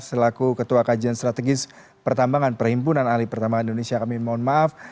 selaku ketua kajian strategis pertambangan perhimpunan ahli pertambangan indonesia kami mohon maaf